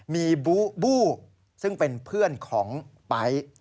มีบู้ซึ่งเป็นเพื่อนของปร๊าย